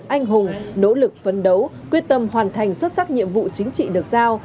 anh hùng nỗ lực phấn đấu quyết tâm hoàn thành xuất sắc nhiệm vụ chính trị được giao